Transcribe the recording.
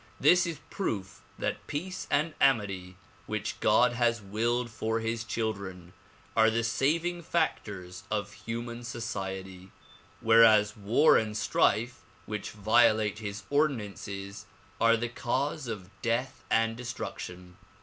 This is proof that peace and amity which God has willed for his children are the saving factors of human society whereas war and strife which violate his ordinances are the cause of death and destruction.